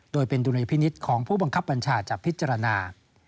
โดยเป็นดุลยพินิษฐ์ของผู้บังคับบัญชาจะพิจารณา